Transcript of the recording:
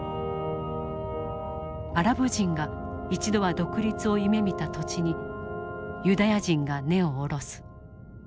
アラブ人が一度は独立を夢みた土地にユダヤ人が根を下ろす。